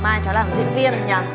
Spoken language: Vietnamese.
mai cháu làm diễn viên không nhờ